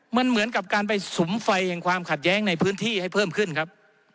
มันเหมือนกับการไปสุมไฟแห่งความขัดแย้งในพื้นที่ให้เพิ่มขึ้นครับ